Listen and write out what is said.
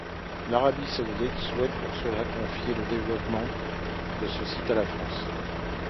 L'Arabie Saoudite souhaite pour cela confier le développement de ce site à la France.